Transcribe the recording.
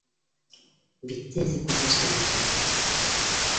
Битте эҫе күҙ йәштәре өтөп алды.